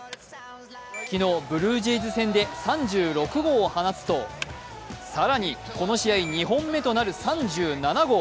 昨日ブルージェイズ戦で３６号を放つと更に、この試合２本目となる３７号。